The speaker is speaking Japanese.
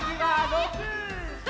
６！